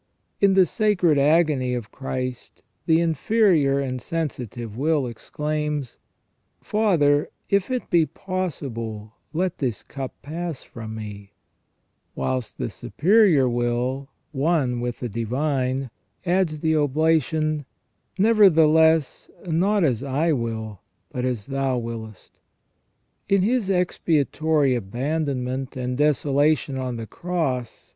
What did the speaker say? In the 158 SELF AND CONSCIENCE sacred agony of Christ, the inferior and sensitive will exclaims :" Father, if it be possible, let this cup pass from me ''; whilst the superior will, one with the divine, adds the oblation :" Neverthe less not as I will, but as Thou wiliest". In his expiatory abandon ment and desolation on the cross.